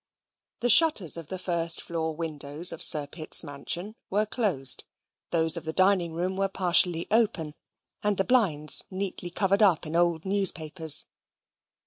The shutters of the first floor windows of Sir Pitt's mansion were closed those of the dining room were partially open, and the blinds neatly covered up in old newspapers.